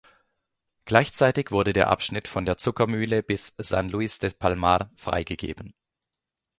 Gleichzeitig wurde der Abschnitt von der Zuckermühle bis San Luis del Palmar freigegeben.